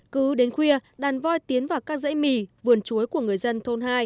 cứ đến khuya đàn voi tiến vào các dãy mì vườn chuối của người dân thôn hai